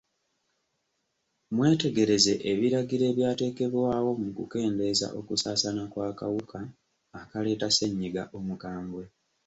Mwetegereze ebiragiro ebyateekebwawo mu kukendeeza okusaasaana kw'akawuka akaleeta ssennyiga omukambwe.